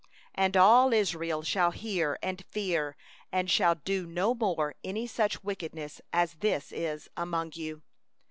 12And all Israel shall hear, and fear, and shall do no more any such wickedness as this is in the midst of thee.